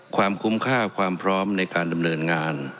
ความคุ้มค่าความพร้อมในการดำเนินงาน